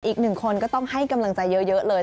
อีกหนึ่งคนก็ต้องให้กำลังใจเยอะเลย